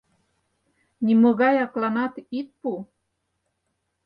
— Нимогай акланат ит пу!